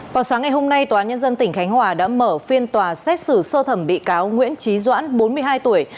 vào sáng ngày hôm nay tòa án nhân dân tỉnh khánh hòa đã mở phiên tòa xét xử sơ thẩm bị cáo nguyễn trí doãn bốn mươi hai tuổi